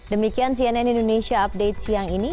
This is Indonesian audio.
demikian cnn indonesia update siang ini